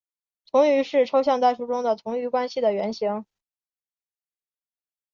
同余是抽象代数中的同余关系的原型。